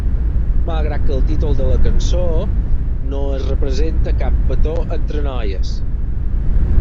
Malgrat que el títol de la cançó, no es representa cap petó entre noies.